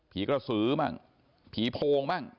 ผีกระสือมั่งผีโพงมั่ง